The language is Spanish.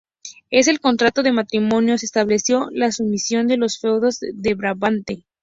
En el contrato de matrimonio se estableció la sumisión de los feudos de Brabante.